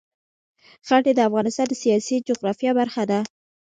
ښتې د افغانستان د سیاسي جغرافیه برخه ده.